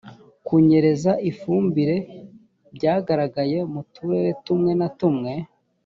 kunyereza ifumbire byagaragaye mu turere tumwe na tumwe